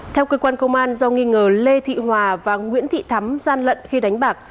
theo cơ quan công an do nghi ngờ lê thị hòa và nguyễn thị thắm gian lận khi đánh bạc